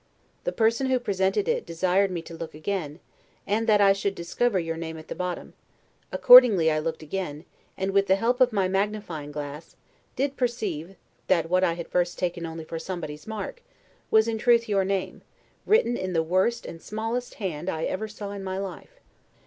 The person who presented it, desired me to look again, and that I should discover your name at the bottom: accordingly I looked again, and, with the help of my magnifying glass, did perceive that what I had first taken only for somebody's mark, was, in truth, your name, written in the worst and smallest hand I ever saw in my life.